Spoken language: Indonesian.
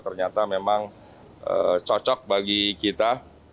ternyata memang cocok bagi kita